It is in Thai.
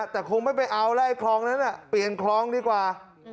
แต่คงไม่ไปเอาแล้วไอคลองนั้นเปลี่ยนคลองดีกว่า